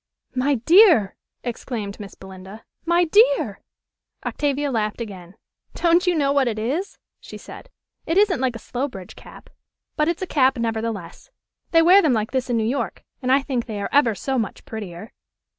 "My dear!" exclaimed Miss Belinda. "My dear!" Octavia laughed again. "Don't you know what it is?" she said. "It isn't like a Slowbridge cap; but it's a cap, nevertheless. They wear them like this in New York, and I think they are ever so much prettier."